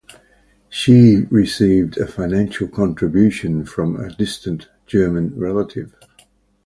She received a financial contribution from a distant German relative.